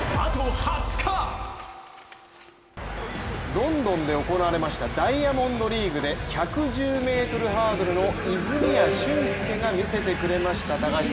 ロンドンで行われましたダイヤモンドリーグで１１０ｍハードルの泉谷駿介が見せてくれました。